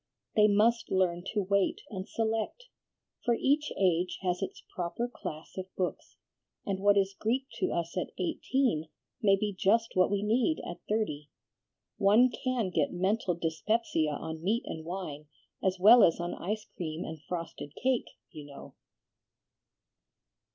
They must learn to wait and select; for each age has its proper class of books, and what is Greek to us at eighteen may be just what we need at thirty. One can get mental dyspepsia on meat and wine as well as on ice cream and frosted cake, you know."